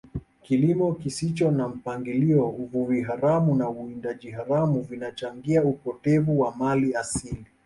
kilimo kisicho na mpangilio uvuvi haramu na uwindaji haramu vinachangia upotevu wa mali asili